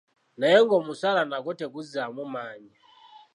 Naye ng'omusaala nagwo teguzaamu maanyi.